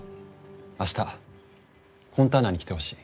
明日フォンターナに来てほしい。